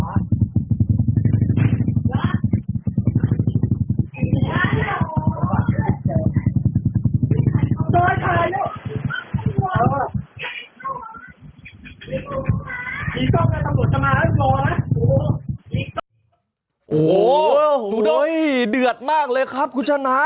โอ้โหดูดิเดือดมากเลยครับคุณชนะ